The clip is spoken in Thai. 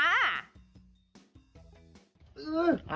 นั้นอ่ะ